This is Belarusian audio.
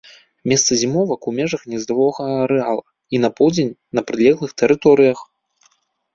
Месца зімовак у межах гнездавога арэала і на поўдзень на прылеглых тэрыторыях.